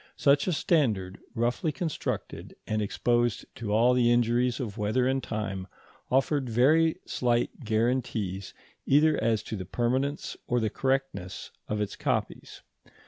Such a standard, roughly constructed, and exposed to all the injuries of weather and time, offered very slight guarantees either as to the permanence or the correctness of its copies.